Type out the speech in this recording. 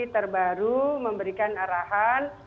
terbaru memberikan arahan